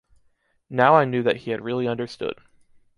Now I knew that he had really understood.